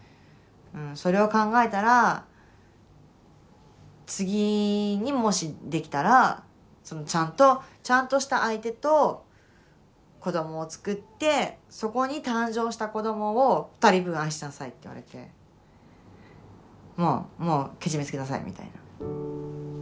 それを考えたら次にもしできたらちゃんとした相手と子どもをつくってそこに誕生した子どもを２人分愛しなさい」って言われて「もうけじめつけなさい」みたいな。